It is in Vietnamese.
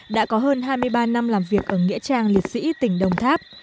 đã có hơn hai mươi ba năm làm việc ở nghĩa trang liệt sĩ tỉnh đồng tháp